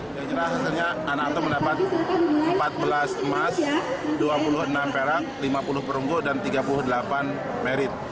saya kira hasilnya anak itu mendapat empat belas emas dua puluh enam perak lima puluh perunggu dan tiga puluh delapan merit